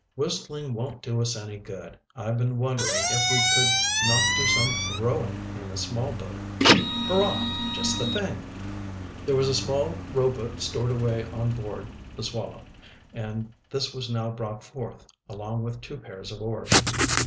"Whistling won't do us any good. I've been wondering if we could not do some rowing in the small boat." "Hurrah! just the thing!" There was a small rowboat stored away on board the Swallow, and this was now brought forth, along with two pairs of oars.